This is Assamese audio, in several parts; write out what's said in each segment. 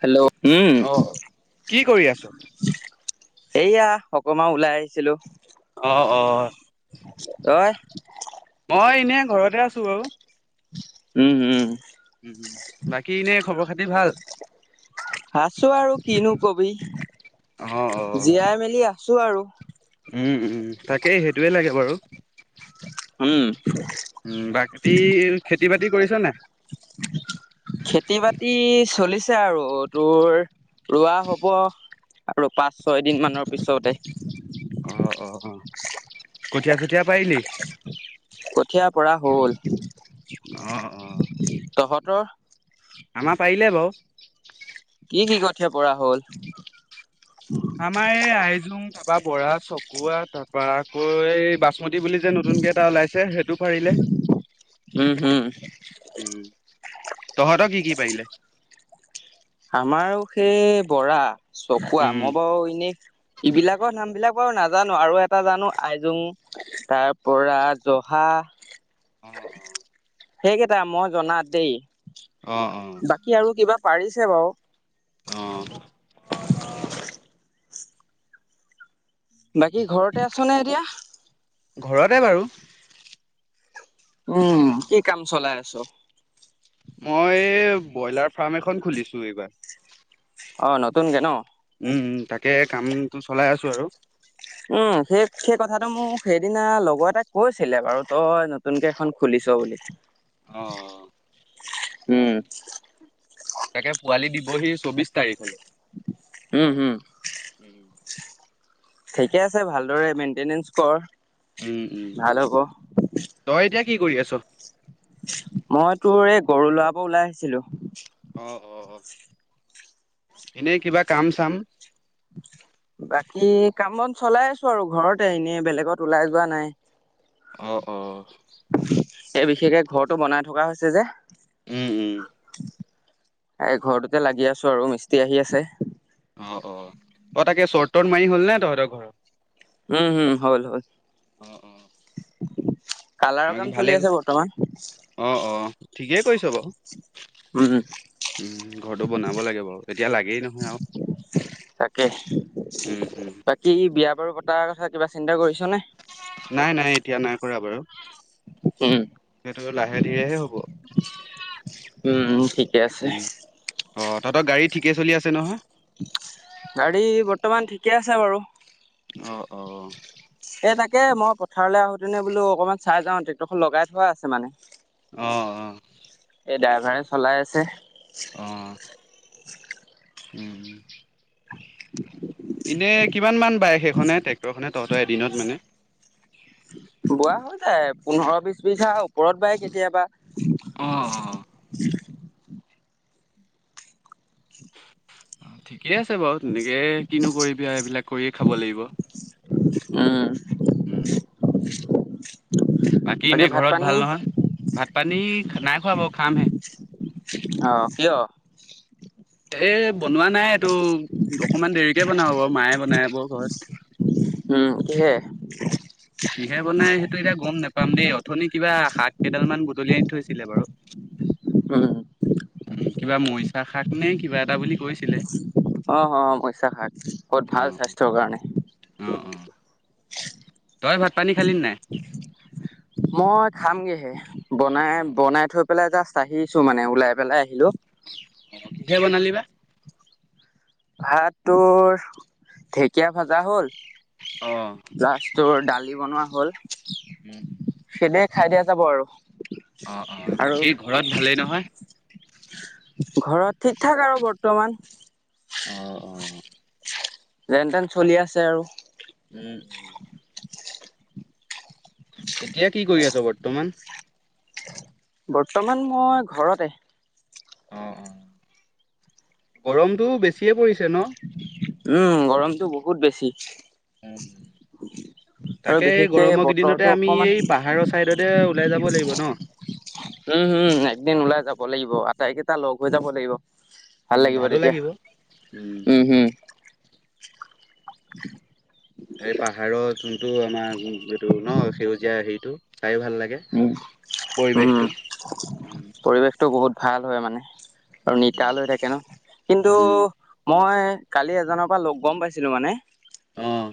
হেল্ল' উম অ', কি কৰি আছ? [unintelligible] এইয়া অকমান ওলাই আহিছিলো। অ অ তই মই এনে। ঘৰতে আছো বাৰু। উম উম। বাকী এনে খবৰ খাতি ভাল? আছো আৰু কিনো কবি অ', অ', জীয়াই মেলি আছো আৰু উম উম তাকেই সেইটোৱে লাগে বাৰু উম উম বা খেতি খেতি বাতি কৰিছ নে ছে আৰু তোৰ ৰোৱা হব আৰু পাঁচ ছয় দিন মানৰ পিছতে অ', অ', অ', কঠীয়া চঠীয়া পাৰিলি? কঠিয়াৰ পৰা হল অ', অ', তহঁতৰ আমাৰ পাৰিলে বাৰু কঠিয়া পৰা হ'ল আমাৰ এই আহি যো তা বৰা চকুৱা তাৰ পৰাৰা আকৌ এই বাচ মতি বুলি যে নতুনকে এটা ওলাইছে সেইটো পাৰিলে উম হম উম তহতঁক কি পাৰিলে আমাৰো সেই বৰা চকুৱা উম, মই বাৰু এনেই এইবিলাকৰ নাম বিলাক বাৰু নাজানো আৰু এটা জানো আইজোং তাৰ পৰা জহা অঁ অঃ সেইকেইটা মই জনাত দেই অ', বাকী আৰু কিবা পাৰিছ ছে বাৰু অঁ [inaudible] বাকী ঘৰতে আছনে এতিয়া ঘৰতে বাৰু উম কি কাম চলাই আছো মই ব্ৰইলাৰ ফাৰ্ম এখন খুলিছো এইবাৰ অঁ নতুন কৈ নহ্ উম তাকে কামটো চলাই আছো আৰু উম সেই সেই কথাটো মোক সেইদিনা লগৰ এটাই কৈছিলে বাৰু তই নতুনকৈ এখন খুলিছ বুলি অঁ উম তাকে পোৱালি দিবহি চৌবিশ তাৰিখলৈ উম হম উম ঠিকে আছে ভালদৰে মেইনটেনেঞ্চ কৰ উম উম ভাল হ'ব তই এতিয়া কি কৰি আছ? মই তোৰ এই গৰু লৰাব ওলাই আহিছিলো। অ অ এনেই কিবা কাম চাম? বাকী কামত চলাই আছো আৰু ঘৰতে এনেই বেলেগত ওলাই যোৱা নাই। অ অহ এই বিশেষকে ঘৰটো বনাই থকা হৈছে যে। উম, উম, এই ঘৰটোতে লাগি আছো আৰু মিস্ত্ৰী আহি আছে। অ অ। অঁ তাকে চৰট টট মাৰি হল নে তহঁতৰ ঘৰ? উম হম হ'ল হল। অ', অ', কালাৰৰ বাকী কাম ভালে চলি আছে বৰ্তমান। অ', অ', ঠিকেই কৰিছ বাও উম, বনাব লাগে বাৰু এতিয়া লাগেই নহয় আৰু তাকে উম, উম, বাকী বিয়া বাৰু পতাৰ কথা কিবা চিন্ত কৰিছ? ছনে? নাই নাই এতিয়া নাই কৰা বাৰু। উম সেইটো লাহে ধীৰেহে হ'ব উম ঠিকে আছে। উম, অ তহতৰ গাড়ী ঠিকে চলি আছে নহয়? গাড়ী বৰ্তমান ঠিকে আছে বাৰু। অঁ অ। এ তাকে মই পথাৰলৈ আহোঁতেনে বোলো অকমান চাই যাওঁ ট্ৰেক্টৰখন লগাই থোৱা আছে মানে। অ অ ডাইভাৰ চলাই আছে। উ অ [unintelligible] উম। এনে কিমান মান বায় সেইখনে ট্ৰেক্টৰ খনে ত এ দিনত মানে? বোৱা হৈ যায় পোন্ধৰ বিশ বিধা ওপৰত বাই কেতিয়াবা। [inaudible] অ অ ঠিকেই আছে বাও, তেনেকে কিনো কৰিবি আও এইবিলাক কৰিয়ে খাব লাগিব। উম। উম। বাকী এনেই ভাত ঘৰত পানী ভাল নহয় ভাত পানী নাই খোৱা বাও খামহে। অ কিয়? এ বনোৱা নাই। টো অকনমান দেৰিকে বনাও বাও, মায়ে বনাই ক ঘৰত। উম কিহেৰ? কিহে বনাই টো এতিয়া গম নাপাম দেই অথনি কিবা শাক কেইডাল মান বুতলি আনি থৈছিলে বাৰু। উম। উম কিবা মৰিচা শাক নে কিবা এটা বুলি কৈছিলে। অ অ মইছা শাক বহুত অ ভাল স্বাস্থ্যৰ কাৰণে। অ অ তই ভাত পানী খালি নাই? মই খামগে হে। বনাই অ', বনাই থৈ পেলাই জা চ আহিছো মানে ওলাই পেলাই আহিলো। দে বনাল বাা ভাত তোৰ ঢেকীয়া ভজা হ'ল অ, প্াছৰ দালি বনোৱা হ'ল। উম উম। খদ খাই দিয়া যাব আৰু অ অ আৰু বাকী ঘৰত ভালেই নহয় ঘৰত ঠিক ঠাক আৰু বৰ্তমান অ অ যেন তেন চলি আছে আৰু উম উম এতিয়া কি কৰি আছ বৰ্তমান বৰ্তমান মই ঘৰতে অ অ গৰমতটো বেছিয়ে পৰিছে ন? উম গৰম কিন্তু বহুত বেছি আৰু তাকে এই বিশেষকে গৰমৰ বতৰটো কেইদিনতে আমি অকমান এই পাহাৰৰ চাইডতে ওলাই যাব লাগিব ন উম হম একদিন ওলাই যাব লাগিব আটাইকেইটা লগ হৈ যাব লাগিব ভাল উম, লাগিব ভালো তেতিয়া উম হম [inaudible] এই পাহাৰৰ যোনটো আমাৰ এইটো ন সেউজীয়া হেৰিটো চাইও ভাল লাগে উম উম পৰিৱেশটো। উম, পৰিৱেশটো বহুত ভাল হয় মানে আৰু নিতা লৈ থাকে ন কিন্তু মই কালি এজনৰ পৰা লগ গম পাইছিলো মানে আহ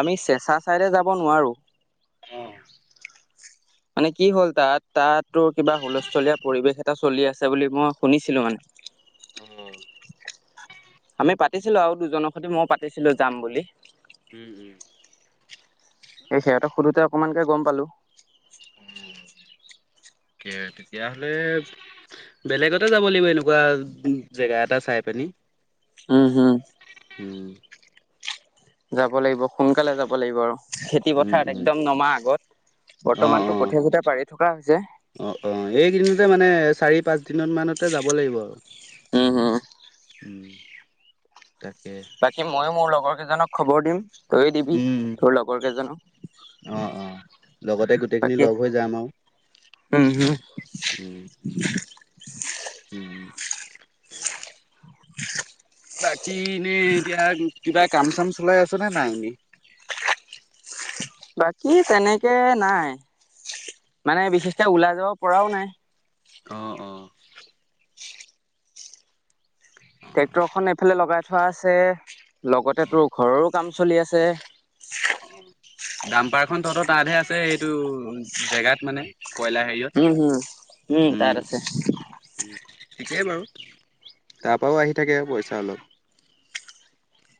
আমি চেঁচা ছাইডে যাব নোৱাৰোঁ আহ মানে কি হ'ল তাত তাতো কিবা হুলস্থুলীয়া পৰিৱেশ এটা চলি আছে বুলি মই শুনিছিলো মানে আহ আমি পাতিছিলো আৰু দুজনৰ সৈতে মই পাতিছিলো যাম বুলি উম উম এই সিহঁতক সোধোতে অকমানকে গম পালো। ঠিকেই তেতিয়াহলে বেলেগতে যাব লাগিব এনেকুৱা জেগা এটা চাই পিনি। উম হুম। উম, যাব লাগিব সোনকালে যাব লাগিব আৰু খেতি উম, পথাৰ উম, একদম নমাৰ আগত অ', বৰ্তমানতটো অ'। কোঠে কথে পাৰি থকা হৈছে অ', অ', এইকেইদিনতে মানে চাৰি পাঁচদিনত মানতে যাব লাগিব আৰু উম হু। [inaudible] বাকী মইো মোৰ লগৰ কেইজনক খবৰ দিম। তয়ে দিবি উম, তোৰ লগৰ কেইজনো অ', অ'। লগতে গোটেইখিনি বাকী। লগ হৈ যাম আৰু উম হুম উম উম। চিৰুপ। কিনে এতিয়া কিবা কাম চাম চলাই আছ নে নাইনিকি বাকী তেনেকে নাই মানে বিশেষকে ওলাই যাব পৰাও নাই। অহ অ। ট্ৰেক্টৰখন এইফালে লগাই থোৱা আছে লগতে তোৰ ঘৰৰো কাম চলি আছে। আহ। ডাম্পাৰখন তহঁতৰ তাতহে আছে এইটো জেগাত মানে। কয়লাৰ উম হুম উম হেৰিয়ত তাত আছে উম উ। সেই বাৰু তাৰ পৰাও আহি থাকে আৰু পইচা অলপ।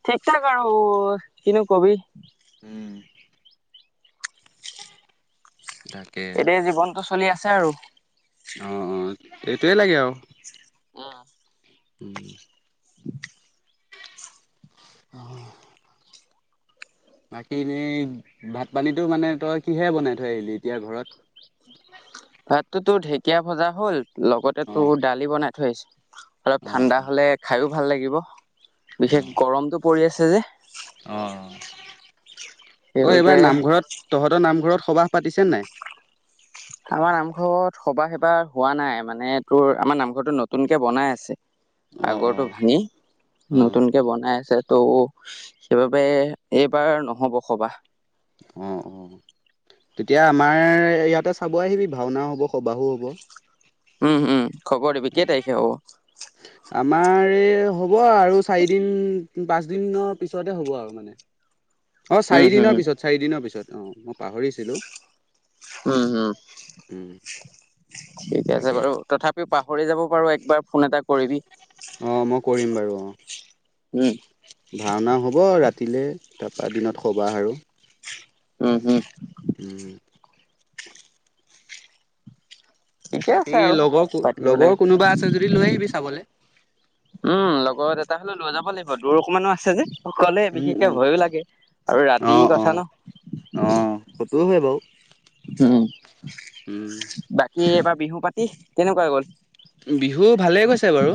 ঠিক ঠাক আৰু ও ও কিনো কবি। উম উ। [inaudible] এতিয়া জীৱন ঠু চলি আছে আৰু অ অ সেইটোৱে লাগে আৰু অঁ। উম উ। [unintelligible] আহ আহ আহ। বাকী এনেই ভাত পানীটো মানে তই কিহেৰে বনাই থৈ আহিলি এতিয়া ঘৰত। ভাতটোতো ঢেকীয়া ভজা হ'ল লগতে অঁ তোৰ দালি বনাই থৈ আহিছো। অলপ অঁ ঠাণ্ডা হলে খাই দিও। ভাল লাগিব। বিশেষ গৰমতটো পৰি আছে। যে আঁহ অঁ সেইবাবে এইবাৰ নামঘৰত তহঁতৰ নামঘৰত সবাহ পাতিছে নাই আমাৰ নামঘৰত সবা সেবা হোৱা নাই মানে তোৰ আমাৰ নামঘৰতৰতটো নতুনকে বনাই আছে অঁ আগৰটো অঁ ভাঙি অঁ নতুনকে বনাই আছে ত' সেইবাবে এইবাৰ নহব সবাহ অঁ অঁ তেতিয়া আমাৰ ইয়াতে চাব আহিবি ভাওনাও হ'ব সবাহো হ'ব উম উম খবৰ দিবি কেই তাৰিখে হ'ব আমাৰ এই হ'ব আৰু চাৰিদিন পাঁচদিনৰ পিছতে হ'ব আৰু মানে অঁ উম হম চাৰিদিনৰ পিছত চাৰিদিনৰ পিছত অঁ মই পাহৰিছিলোঁ উম হম ঠিকে আছে তাকে বাৰু তথাপিওঁ পাহ কৰি যাব পাৰো একবাৰ ফোন এটা কৰিবি অঁ মই কৰিম বাৰু অঁ উম ভাওঁনা হ'ব ৰাতি ৰাতিলৈ তাৰপৰা দিনত সবাহ আৰু উম উম উম। ঠিকে বাকী আছে আৰু লগৰ পাতিব লগৰ লাগে কোনোবা আছে যদি লৈ আহিবি চাবলে। উম লগৰ এটা হলে লৈ যাব লাগিব দৌৰ অকনমানো আছে যে কলে উম বিশেষকে উম ভয়ো লাগে আৰু ৰাতিৰ কথা ন য় হয় বাৰু উম উম। বাকী এবাৰ বিহু পাতি কেনেকুৱা গ'ল বিহু ভালে গৈছে বাৰু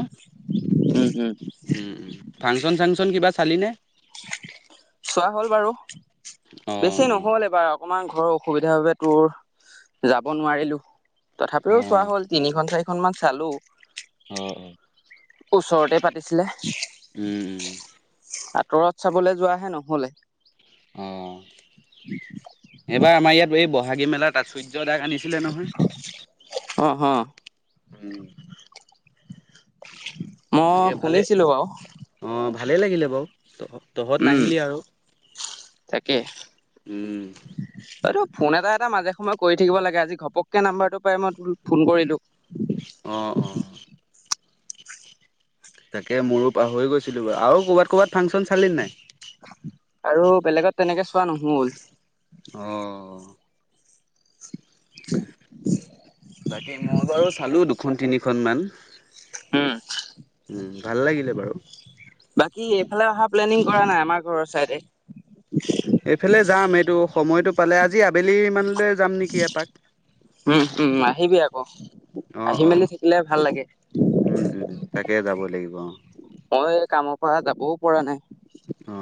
উম হু খালীনে চোৱা হ'ল বাৰু অ বেছি নহল এইবাৰ অকমান অসুবিধা বাবে তোৰ যাব নোৱাৰিলো অ অ তথাপিও চোৱা হ'ল তিনি ঘণ্টাই অকনমান চালো অ ওচৰতে পাতিছিলে উম উম আঁতৰত চাবলৈ যোৱাহে নহলে অঁ এইবাৰ আমাৰ ইয়াত এই বস্ত ভাগি মেলা তাত চৈ যদাক আনিছিলে নহয় অ হ উম। [unintelligible] এনেকে ভালেই শুনিছিলো বাৰু অ ভালেই লাগিলে বাৰু। অ। তহঁত উম নাহিলি আৰু উম। হয় ত ফোন এটা এটা মাজে সময় কৰি থাকিব লাগে। আজি ঘপককৈ নাম্বাৰটো পাই মই ত ফোন কৰিলোঁ। অহঁ অঁহ। তাকে মোৰো পৰি গৈছিলো বাৰু আৰু কৰ'ৰবাত ক'বাত ফাংচন চালিল নাই। আৰু বেলেগত তেনেকে চোৱা নহল। অ'হ। বাকী মই বাৰু চালো। দুখন তিনিখনমান। উম। ভাল লাগিলে বাৰু। বাকী এইফালে অহা প্লেনিং কৰা নাই আমাৰ ঘৰৰ চাইডে। এইফালে যাম এইটো সময়টো। পালে আজি আবেলি মানলৈ। যাম নেকি এপাক। উম উম আহিবি আকৌ অ আহি অ মেলি থাকিলে ভাল লাগে। অ'হ। মই কামৰ পৰা যাবও পৰা নাই। অ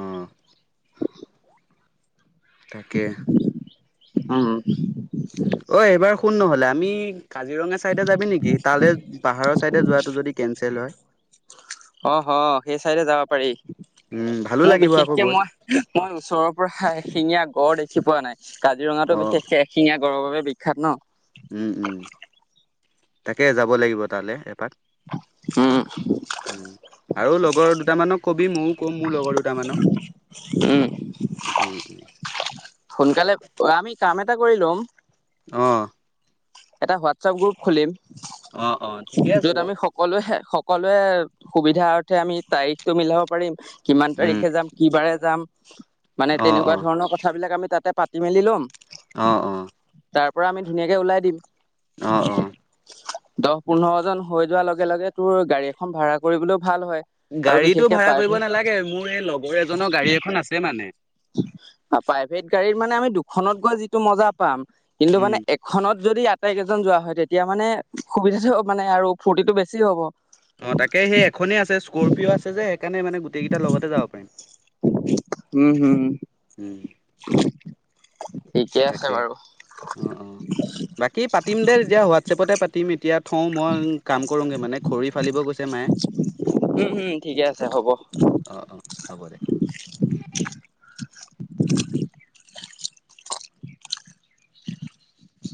তাকে। উম। উ ঐএইবাৰ শুন নহলে আমি। কাজিৰঙা চাইদে যাবি নেকি তালৈ পাহাৰৰ চাইদে যোৱাটো যদি কেঞ্চেল হয়। অ হ সেই চাইডে যাব পাৰি উম ভালো মোৰ লাগিব আকৌ বিশেষকে গৈ মই মই ওচৰৰ পৰা এশিঙীয়া। গড়ঁ দেখি পোৱা নাই। কাজিৰঙাতো অ বিশেষকে এশিঙীয়া গড়ঁৰ বাবে বিখ্যাত। বিখ্যাত ন। উম উম তাকে যাব লাগিব তালৈ এপাক। উম উম আৰু লগৰ দুটামানক কবি মোৰ। মোৰ লগৰ দুটামানক উম উম উম। সোনকালে আমি কাম এটা কৰি লম। অহ। এটা হোৱাটছপ গ্ৰুপ খুলিম। অ', অ', ঠিকে আছে য'ত বাৰু। আমি সকলোৱে- সক, সকলোৱে সুবিধা অৰ্থে আমি তাৰিখটো মিলাব পাৰিম। কিমান উম, তাৰিখে যাম, কি বাৰে যাম। মানে অ', তেনেকুৱা অ', ধৰণৰ কথাবিলাক আমি তাতে, পাতি মেলি লম। অ- অ তাৰ পৰা আমি ধুনীয়াকে ওলাই দিম। অ -অ দহ -পোন্ধৰ জন হৈ যোৱাৰ লগে- লগে তোৰ গাড়ী এখন ভাড়া কৰিবলৈ, গাড়ীটো ভা়ড়া কৰিব নালাগে মোৰ এই লগৰ এজনৰ গাড়ী এখন আছে মানে। প্ৰাইভেট গাড়ীৰ মানে আমি দু, খনত গৈ যিটো মজা পাম, কিন্তু উম, মানে এখনত, যদি আটাইকেইজন যোৱা হয় তেতিয়া মানে সুবিধাটো মানে আৰু ফূুৰ্তিটো বেছি হ'ব। অ', তাকে সেই এখনেই আছে স্কৰপিঅ আছে যে, সেইকাৰণে মানে গোটেই কেইটাৰ লগতে যাব পাৰিম। উম, হুম, উম ', [inaudible] ঠিকে আছে তাকে বাৰু অ-অ বাকী পাতিম দে, যেতিয়া হোৱাটছএপতে পাতিম এতিয়া, থও মই কাম কৰংগে মানে খৰি ফালিব গৈছে মায়ে। উম উম ঠিকে আছে হ'ব। অ -অ হ'ব দে। [inaudible]